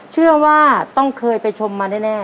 เชื่อว่าต้องเคยไปชมมาแน่